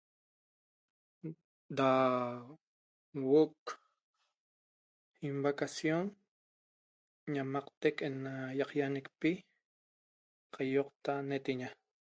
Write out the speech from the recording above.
Da huo'o ca ñivacacion ñamaqtec ena ýiqaýañicpi qaýoqta netaña